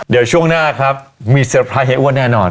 เดี๋ยวช่วงหน้าครับมีเซอร์ไพรส์ให้อ้วนแน่นอน